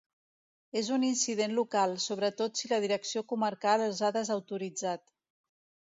És un incident local, sobretot si la direcció comarcal els ha desautoritzat.